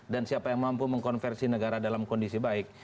dan siapa yang mampu mengkonversi negara dalam kondisi baik